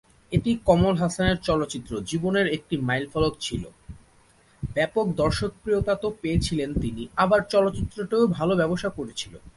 এটি কমল হাসানের চলচ্চিত্র জীবনের একটি মাইলফলক ছিলো, ব্যাপক দর্শকপ্রিয়তা তো পেয়েছিলেন তিনি আবার চলচ্চিত্রটিও ভালো ব্যবসা করেছিলো।